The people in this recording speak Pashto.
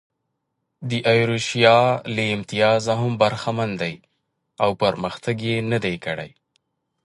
د ایروشیا له امتیازه هم برخمن دي او پرمختګ یې نه دی کړی.